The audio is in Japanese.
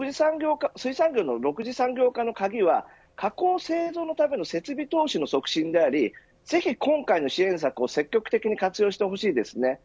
６次産業化の鍵は加工製造のための設備投資の促進でありぜひ今回の支援策を積極的に活用してほしいですね。